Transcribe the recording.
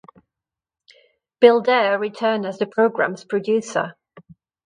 Bill Dare returned as the programmes producer.